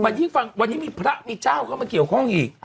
ยิ่งฟังวันนี้มีพระมีเจ้าเข้ามาเกี่ยวข้องอีก